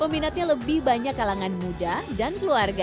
peminatnya lebih banyak kalangan muda dan keluarga